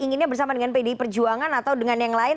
inginnya bersama dengan pdi perjuangan atau dengan yang lain